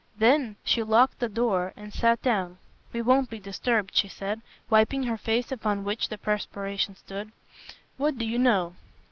Then she locked the door and sat down. "We won't be disturbed," she said, wiping her face upon which the perspiration stood, "what do you know?"